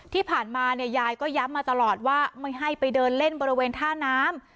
ที่ผ่านมาเนี่ยยายก็ย้ำมาตลอดว่าไม่ให้ไปเดินเล่นบริเวณท่าน้ำ